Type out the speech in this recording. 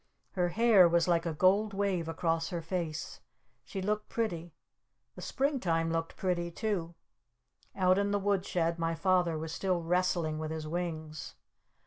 Her hair was like a gold wave across her face. She looked pretty. The Springtime looked pretty too. Out in the wood shed my Father was still wrestling with his wings.